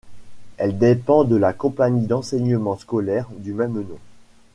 Elle dépend de la compagnie d'enseignement scolaire du même nom.